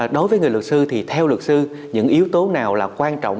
đối với người luật sư thì theo luật sư những yếu tố nào là quan trọng